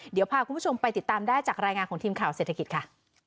เดี๋ยวพาคุณผู้ชมไปติดตามได้จากรายงานของทีมข่าวเศรษฐกิจค่ะ